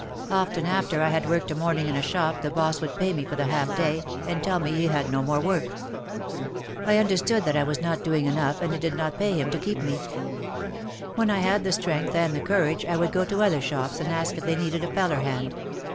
Often after I had worked a morning in a shop the boss would pay me for the half day, and tell me he had no more work. I understood that I was not doing enough and it did not pay him to keep me. When I had the strength and the courage I would go to other shops and ask if they needed a feller hand.